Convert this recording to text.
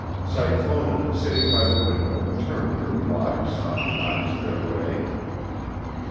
Cyclona, sitting by the window, turned her wide, soft eyes their way.